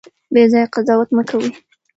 بې ځایه قضاوت مه کوئ.